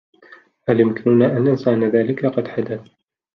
هل يمكننا أن ننسى أن ذلك قد حدث؟